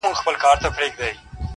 ماشومانو ته به کومي کیسې یوسي.!